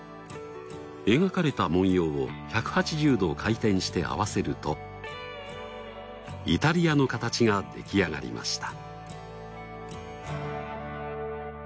描かれた文様を１８０度回転して合わせるとイタリアの形ができあがりました。